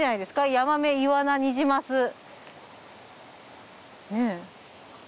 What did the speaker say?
ヤマメイワナニジマスねぇ。